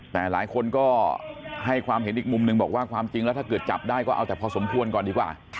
แต่หลายคนก็ให้ความเห็นอีกมุมหนึ่งบอกว่าความจริงแล้วถ้าเกิดจับได้ก็เอาแต่พอสมควรก่อนดีกว่า